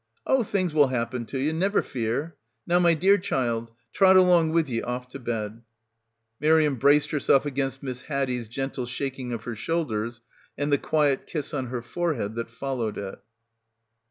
"Oh, things will happen to ye — never fear. ... Now, my dear child, trot along with ye off to bed." Miriam braced herself against Miss Haddie's gentle shaking of her shoulders and the quiet kiss on her forehead that followed it.